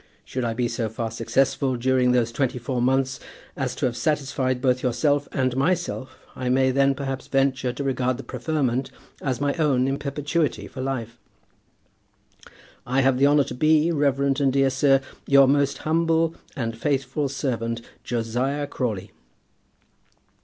Should I be so far successful during those twenty four months as to have satisfied both yourself and myself, I may then perhaps venture to regard the preferment as my own in perpetuity for life. I have the honour to be, reverend and dear sir, Your most humble and faithful servant, JOSIAH CRAWLEY.